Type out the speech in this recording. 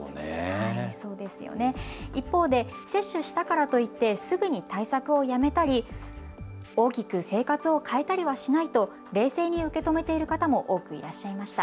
一方で接種したからといってすぐに対策をやめたり大きく生活を変えたりはしないと、冷静に受け止めている方も多くいらっしゃいました。